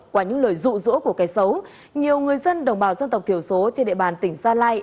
qua những lời rụ rỗ của kẻ xấu nhiều người dân đồng bào dân tộc thiểu số trên địa bàn tỉnh gia lai